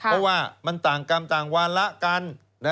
เพราะว่ามันต่างกรรมต่างวาระกัน